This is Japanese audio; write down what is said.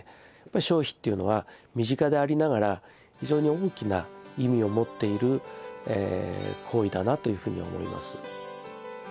消費っていうのは身近でありながら非常に大きな意味を持っている行為だなというふうに思います。